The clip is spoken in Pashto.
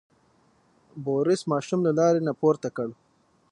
بوریس ماشوم له لارې نه پورته کړ.